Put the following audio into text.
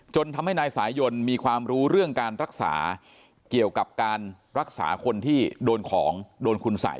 ทำให้นายสายยนมีความรู้เรื่องการรักษาเกี่ยวกับการรักษาคนที่โดนของโดนคุณสัย